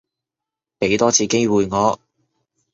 畀多次機會我